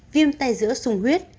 viêm tay giữa sung huyết